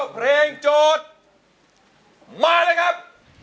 เพลงโจทย์มาเลยครับ